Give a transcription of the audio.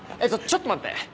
ちょっと待って。